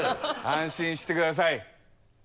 安心して下さい。